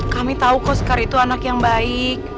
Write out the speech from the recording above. kami tahu kok sekar itu anak yang baik